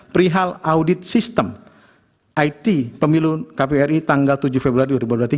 perihal audit sistem it pemilu kpri tanggal tujuh februari dua ribu dua puluh tiga